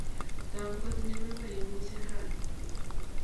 Tagu kotinye poipoiyet missing' raini